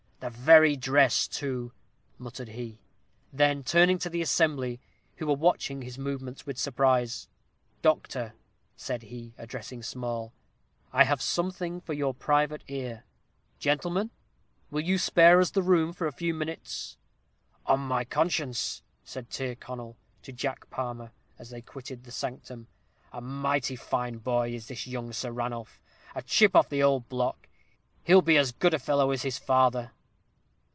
"The very dress, too!" muttered he; then turning to the assembly, who were watching his movements with surprise; "Doctor," said he, addressing Small, "I have something for your private ear. Gentlemen, will you spare us the room for a few minutes?" "On my conscience," said Tyrconnel to Jack Palmer, as they quitted the sanctum, "a mighty fine boy is this young Sir Ranulph! and a chip of the ould block! he'll be as good a fellow as his father."